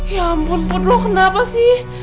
ya ampun putri lo kenapa sih